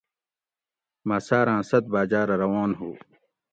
مۤہ ساۤراۤں ست باۤجاۤ رہ روان ہُو